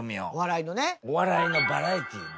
お笑いのバラエティーの。